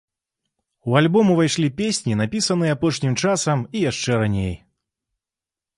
У альбом увайшлі песні, напісаныя апошнім часам і яшчэ раней.